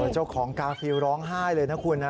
เจ้าของกาฟิลร้องไห้เลยนะคุณนะ